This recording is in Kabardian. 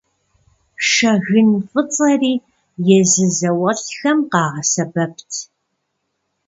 Шэгын фӏыцӏэри езы зауэлӏхэм къагъэсэбэпт.